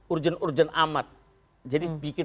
urgent urgen amat jadi bikin